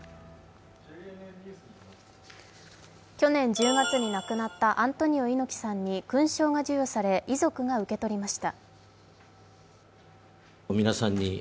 去年１０月に亡くなったアントニオ猪木さんに勲章が授与され遺族が受け取りました。